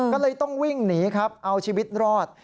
ก็เลยต้องวิ่งหนีครับเอาชีวิตรอด